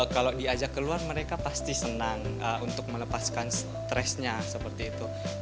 kalau diajak keluar mereka pasti senang untuk melepaskan stresnya seperti itu